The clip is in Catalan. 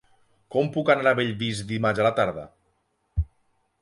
Com puc anar a Bellvís dimarts a la tarda?